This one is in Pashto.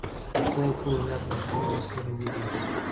که خدای کول، بیا به له خیره سره ووینو.